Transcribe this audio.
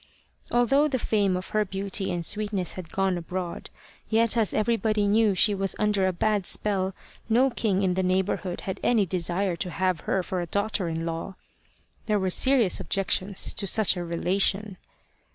Although the fame of her beauty and sweetness had gone abroad, yet as everybody knew she was under a bad spell, no king in the neighbourhood had any desire to have her for a daughter in law. There were serious objections to such a relation.